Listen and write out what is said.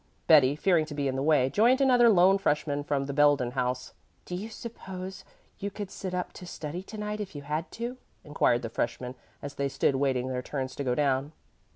Betty, fearing to be in the way, joined another lone freshman from the Belden House. "Do you suppose you could sit up to study to night if you had to?" inquired the freshman as they stood waiting their turns to go down.